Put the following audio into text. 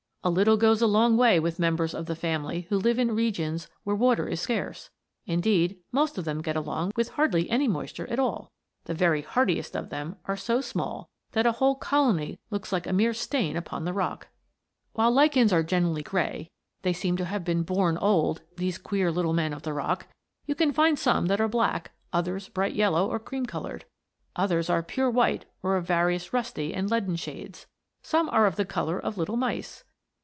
A little goes a long way with members of the family who live in regions where water is scarce. Indeed, most of them get along with hardly any moisture at all. The very hardiest of them are so small that a whole colony looks like a mere stain upon the rock. While lichens are generally gray they seem to have been born old, these queer little men of the rock you can find some that are black, others bright yellow or cream colored. Others are pure white or of various rusty and leaden shades. Some are of the color of little mice.